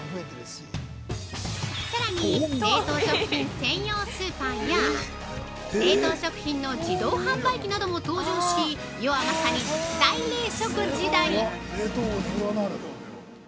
さらに「冷凍食品専用スーパー」や「冷凍食品の自動販売機」なども登場し、世はまさに、大冷食時代へ突入！